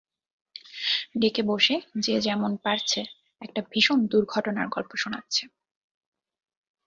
ডেকে বসে যে যেমন পারছে, একটা ভীষণ দুর্ঘটনার গল্প শোনাচ্ছে।